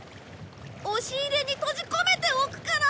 押し入れに閉じ込めておくから。